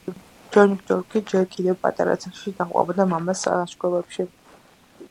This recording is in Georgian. ჯეონგჯონგი ჯერ კიდევ პატარა ასაკში დაჰყვებოდა მამას ლაშქრობებში.